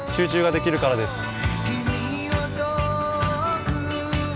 集中ができるからです。